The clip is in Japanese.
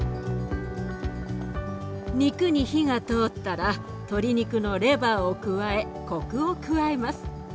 肉に火が通ったら鶏肉のレバーを加えコクを加えます。